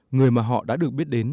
người mà họ đã được biết đến